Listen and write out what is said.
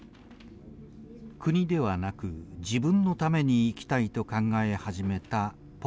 国ではなく自分のために生きたいと考え始めたポポフ君。